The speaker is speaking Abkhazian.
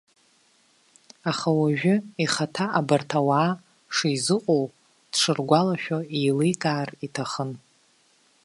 Аха уажәы ихаҭа абарҭ ауаа шизыҟоу, дшыргәалашәо еиликаар иҭахын.